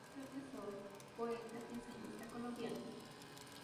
Profesor, poeta y ensayista colombiano.